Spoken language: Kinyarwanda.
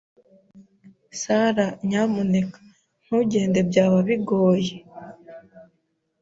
Sara, nyamuneka ntugende, byaba bigoye